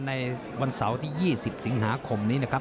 ในวันเสาร์ที่๒๐สิงหาคมนี้นะครับ